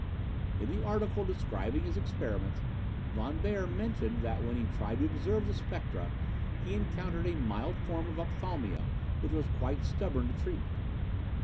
In the article describing his experiments, Von Beyer mentions that when he tried to observe the spectra, he encountered a mild form of opthalmia which was quite stubborn to treatment.